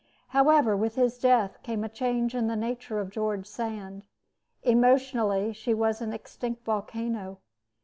However, with his death came a change in the nature of George Sand. Emotionally, she was an extinct volcano.